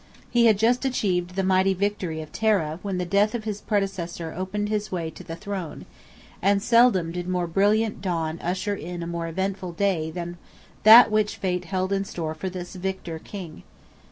He had just achieved the mighty victory of Tara when the death of his predecessor opened his way to the throne; and seldom did more brilliant dawn usher in a more eventful day than that which Fate held in store for this victor king.